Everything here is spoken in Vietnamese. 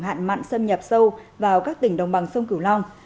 hạn mặn xâm nhập sâu vào các tỉnh đồng bằng sông cửu long